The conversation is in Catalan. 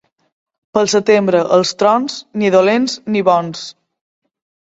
Pel setembre, els trons, ni dolents ni bons.